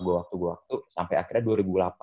gue waktu waktu sampai akhirnya dua ribu delapan